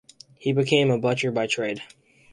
He became a butcher by trade.